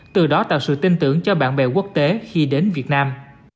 từ đó tạo sự tin tưởng cho bạn bè quốc tế khi đến việt nam